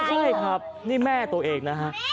ใช่ครับนี่แม่ตัวเองนะฮะ